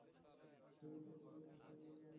সাবিতার বিষয়টা সবাই জানে।